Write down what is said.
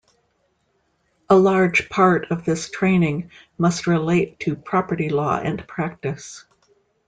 A large part of this training must relate to property law and practice.